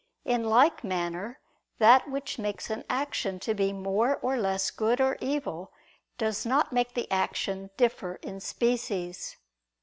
In like manner that which makes an action to be more or less good or evil, does not make the action differ in species.